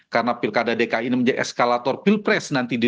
karena pilkada dki ini menjadi eskalator pilpres nanti di dua ribu sembilan